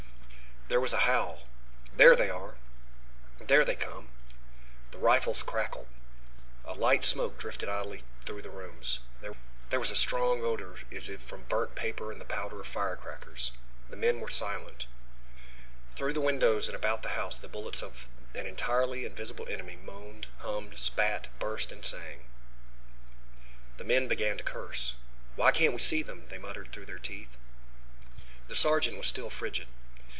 There was a howl. "There they are! There they come!" The rifles crackled. A light smoke drifted idly through the rooms. There was a strong odor as if from burnt paper and the powder of firecrackers. The men were silent. Through the windows and about the house the bullets of an entirely invisible enemy moaned, hummed, spat, burst, and sang. The men began to curse. "Why can't we see them?" they muttered through their teeth. The sergeant was still frigid.